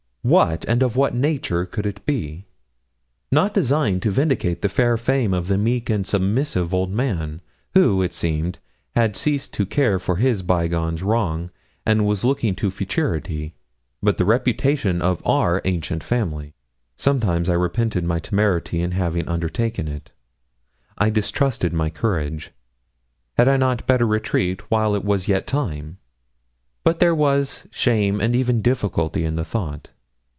What, and of what nature, could it be? Not designed to vindicate the fair fame of the meek and submissive old man who, it seemed, had ceased to care for his bygone wrongs, and was looking to futurity but the reputation of our ancient family. Sometimes I repented my temerity in having undertaken it. I distrusted my courage. Had I not better retreat, while it was yet time? But there was shame and even difficulty in the thought.